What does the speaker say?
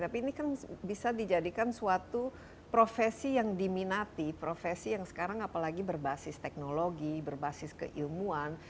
tapi ini kan bisa dijadikan suatu profesi yang diminati profesi yang sekarang apalagi berbasis teknologi berbasis keilmuan